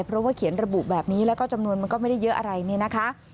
เพราะว่าเขียนระบุแบบนี้แล้วก็จำนวนมันก็ไม่ได้เยอะอะไรเนี่ยนะคะ